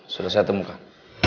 sudah saya temukan